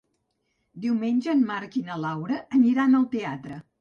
Diumenge en Marc i na Laura aniran al teatre.